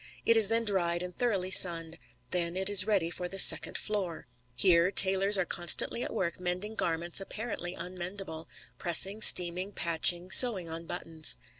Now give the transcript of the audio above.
It is then dried and thoroughly sunned. Then it is ready for the second floor. Here tailors are constantly at work mending garments apparently unmendable, pressing, steaming, patching, sewing on buttons.